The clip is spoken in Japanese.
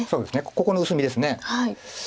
ここの薄みです。